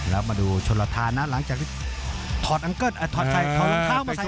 แล้วมาดูชนละทานนะหลังจากที่ถอดอันเกิ้ลถอดใส่ถอดรองเท้ามาใส่